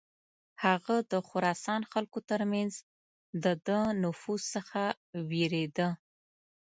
هغه د خراسان خلکو تر منځ د ده نفوذ څخه ویرېده.